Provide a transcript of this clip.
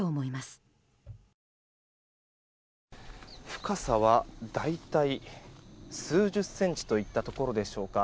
深さは大体数十センチといったところでしょうか。